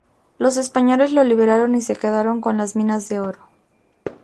Los españoles los liberaron y se quedaron con las minas de oro.